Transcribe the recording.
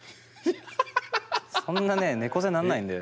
そんなね猫背なんないんで。